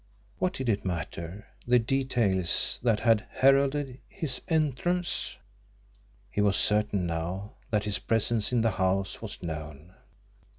What did it matter the details that had heralded his entrance? He was certain now that his presence in the house was known.